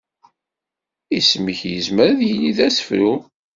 Isem-ik yezmer ad yili d asefru.